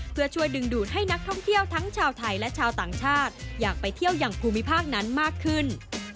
เพื่อช่วยดึงดูดให้นักท่องเที่ยวทั้งชาวไทยและชาวต่างชาติอยากไปเที่ยวอย่างภูมิภาคนั้นมากขึ้น